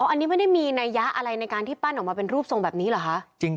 อันนี้ไม่ได้มีนัยยะอะไรในการที่ปั้นออกมาเป็นรูปทรงแบบนี้เหรอคะ